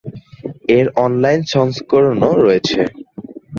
এর অনলাইন সংস্করণও রয়েছে।